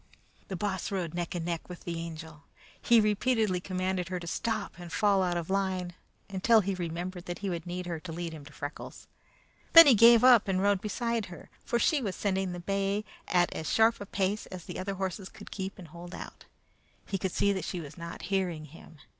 The Boss rode neck and neck with the Angel. He repeatedly commanded her to stop and fall out of line, until he remembered that he would need her to lead him to Freckles. Then he gave up and rode beside her, for she was sending the bay at as sharp a pace as the other horses could keep and hold out. He could see that she was not hearing him.